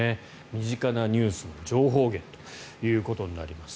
身近なニュースの情報源となります。